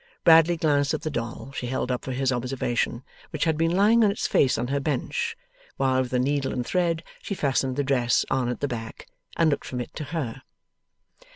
Bradley glanced at the doll she held up for his observation which had been lying on its face on her bench, while with a needle and thread she fastened the dress on at the back and looked from it to her.